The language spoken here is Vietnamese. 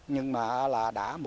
nhưng mà là